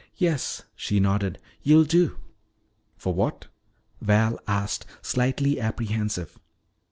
"Yes," she nodded, "you'll do." "For what?" Val asked, slightly apprehensive.